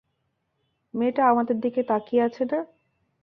মেয়েটা আমাদের দিকে তাকিয়ে আছে না?